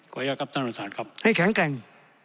กับอย่างครับท่านบริษัทครับให้แข็งแกร่ง